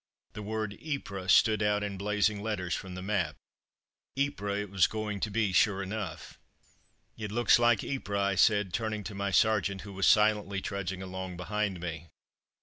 The word YPRES stood out in blazing letters from the map. Ypres it was going to be, sure enough. "It looks like Ypres," I said, turning to my sergeant, who was silently trudging along behind me.